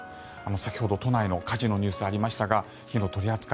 先ほど、都内の火事のニュースありましたが火の扱い